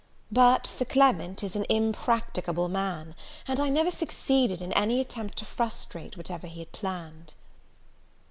But Sir Clement is an impracticable man, and I never succeeded in any attempt to frustrate whatever he had planned.